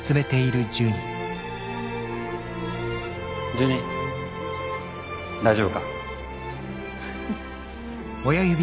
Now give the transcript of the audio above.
ジュニ大丈夫か？